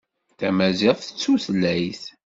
Tamaziɣt d tutlayt.